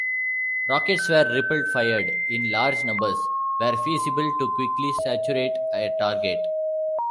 Rockets were ripple-fired in large numbers where feasible to quickly saturate a target.